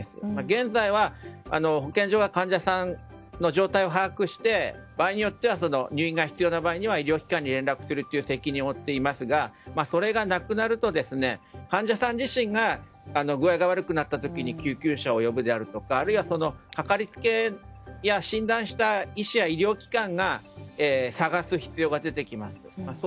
現在は保健所は患者さんの状態を把握して入院が必要な場合は医療機関に連絡をするという責任を負っていますがそれがなくなると患者さん自身が具合が悪くなった時に救急車を呼ぶですとかあるいは、かかりつけや診断した医師や医療機関が探す必要が出てきます。